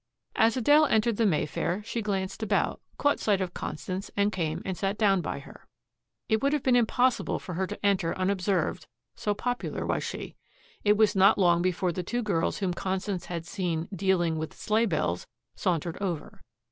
As Adele entered the Mayfair she glanced about, caught sight of Constance and came and sat down by her. It would have been impossible for her to enter unobserved, so popular was she. It was not long before the two girls whom Constance had seen dealing with "Sleighbells" sauntered over.